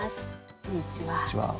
こんにちは。